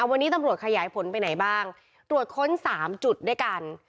วันนี้ตำรวจขยายผลไปไหนบ้างตรวจค้น๓จุดด้วยกัน